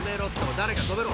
誰か止めろ。